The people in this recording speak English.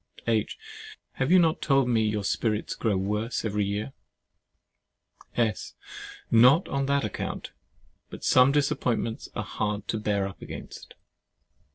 H. Have you not told me your spirits grow worse every year? S. Not on that account: but some disappointments are hard to bear up against.